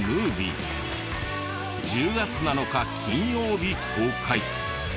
１０月７日金曜日公開。